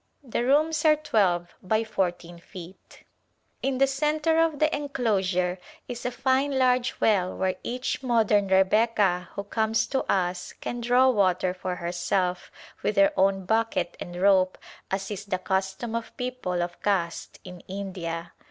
The rooms are twelve by fourteen feet. In the centre of the enclosure is a fine large well where each Busy Days modern Rebecca who comes to us can draw water for herself, with her own bucket and rope as is the custom of people of caste in India.